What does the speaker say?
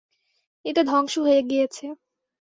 এটা ধ্বংস হয়ে গিয়েছে।